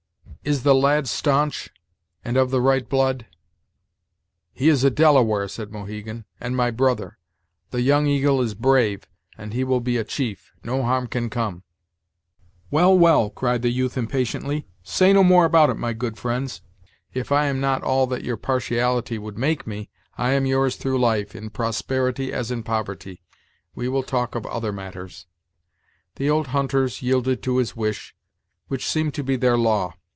Is the lad stanch, and of the right blood?" "He is a Delaware," said Mohegan, "and my brother. The Young Eagle is brave, and he will be a chief. No harm can come." "Well, well," cried the youth impatiently, "say no more about it, my good friends; if I am not all that your partiality would make me, I am yours through life, in prosperity as in poverty. We will talk of other matters." The old hunters yielded to his wish, which seemed to be their law.